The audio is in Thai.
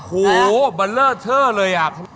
โหบัลเลอร์เท่าเลยอ่ะ